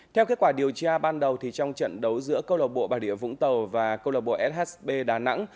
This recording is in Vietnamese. theo kết quả điều tra ban đầu trong trận đấu giữa công an tỉnh bà địa vũng tàu và công an shb đà nẵng